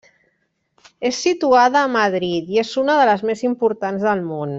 És situada a Madrid i és una de les més importants del món.